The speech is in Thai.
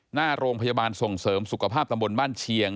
หน้าโรงพยาบาลส่งเสริมสุขภาพตำบลบ้านเชียง